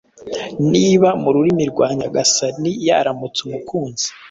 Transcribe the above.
Niba mu rurimi rwa nyagasani yaramutsa umukunzi